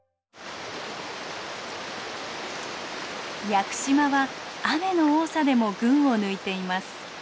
屋久島は雨の多さでも群を抜いています。